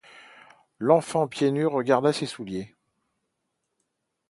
L’enfant, pieds nus, regarda ces souliers.